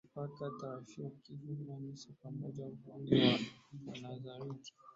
Hujipaka tarabizuna miski pamoja na kujifukiza udi wa mawaridi